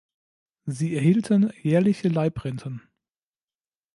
Sie erhielten jährliche Leibrenten.